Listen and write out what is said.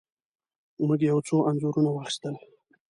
موږ یو څو انځورونه واخیستل.